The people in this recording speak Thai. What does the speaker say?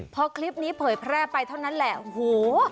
พอคลิปนี้เผยแพร่ไปเท่านั้นแหละโอ้โห